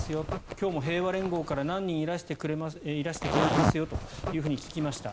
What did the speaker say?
今日も平和連合から何人いらしてくれていますよと聞きました。